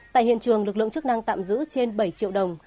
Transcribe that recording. tại hiện trường lực lượng chức năng tạm giữ trên bảy triệu đồng